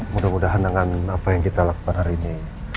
mudah mudahan dengan apa yang kita lakukan hari ini